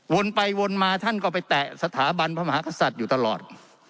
ไปวนมาท่านก็ไปแตะสถาบันพระมหากษัตริย์อยู่ตลอด